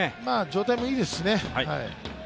状態もいいですしね。